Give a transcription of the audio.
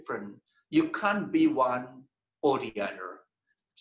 anda tidak bisa menjadi satu atau lain